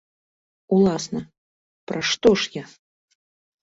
Уласна, пра што ж я?